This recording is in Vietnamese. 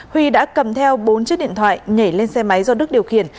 huy đã cầm theo bốn chiếc điện thoại nhảy lên xe máy do đức điều khiển